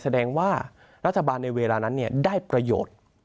แสดงว่ารัฐบาลในเวลานั้นได้ประโยชน์